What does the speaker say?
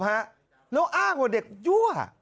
แล้วอ้างว่าเด็กยั่ว